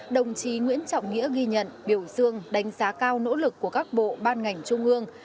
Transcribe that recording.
đồng chí nguyễn trọng nghĩa ghi nhận biểu dương đánh giá cao nỗ lực của các bộ ban ngành trung ương